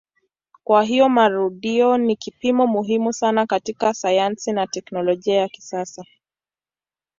Kwa hiyo marudio ni kipimo muhimu sana katika sayansi na teknolojia ya kisasa.